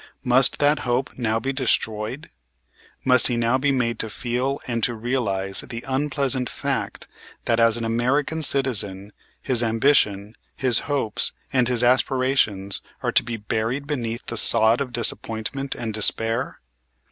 Must that hope now be destroyed? Must he now be made to feel and to realize the unpleasant fact that, as an American citizen, his ambition, his hopes and his aspirations are to be buried beneath the sod of disappointment and despair?